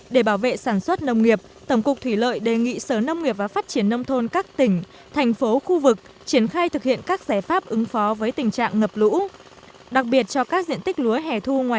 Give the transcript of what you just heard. để bảo vệ sản xuất nông nghiệp tổng cục thủy lợi đề nghị sở nông nghiệp và phát triển nông thôn các tỉnh thành phố khu vực triển khai thực hiện các giải pháp ứng phó